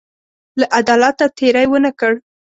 له عدالته تېری ونه کړ.